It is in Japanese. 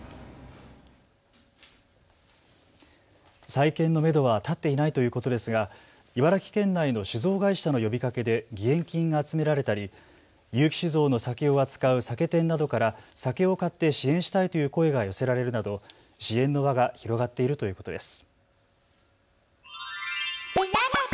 再建のめどは立っていないということですが茨城県内の酒造会社の呼びかけで義援金が集められたり結城酒造の酒を扱う酒店などから酒を買って支援したいという声が寄せられるなど支援の輪が広がっているということです。